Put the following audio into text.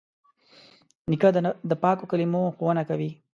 نیکه د پاکو کلمو ښوونه کوي.